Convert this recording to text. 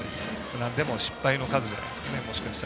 なんでも失敗の数じゃないですかね。